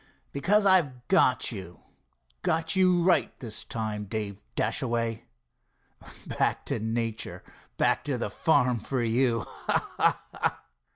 "Because I've got you—got you right, this time, Dave Dashaway. Back to nature, back to the farm for you—ha! ha! ha!"